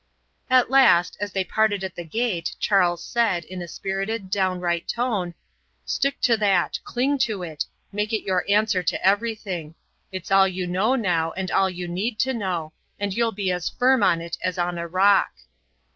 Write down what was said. At last, as they parted at the gate, Charles said, in a spirited, downright tone: "Stick to that, cling to it, make it your answer to everything. It's all you now know and all you need to know, and you'll be as firm on it as on a rock."